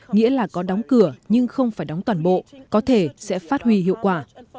nghĩa là có đóng cửa nhưng không phải đóng toàn bộ có thể sẽ phát huy hiệu quả